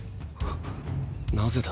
なぜだ？